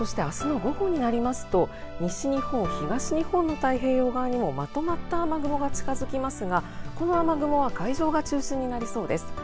明日の午後は、西日本・東日本の太平洋側にまとまった雨雲が近づきますが、この雨雲は海上が中心になりそうです。